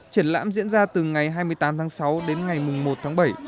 triển lãm diễn ra từ ngày hai mươi tám tháng sáu đến ngày một tháng bảy